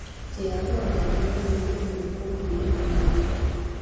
Teyalwa ng'afunayo munne amufumbira eminwe.